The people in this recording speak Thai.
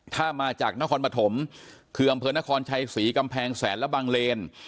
ถ้ามาจากนครปฐมคืออำเภอนครชัยศรีกำแพงแสนและบังเลน